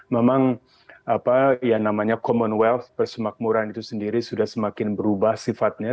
memang apa yang namanya commonwealth persemakmuran itu sendiri sudah semakin berubah sifatnya